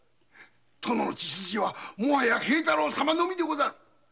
殿の血筋はもはや平太郎様のみでござる。